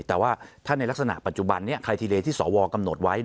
แต่ว่าถ้าในลักษณะปัจจุบันนี้ไคทีเลที่สวกำหนดไว้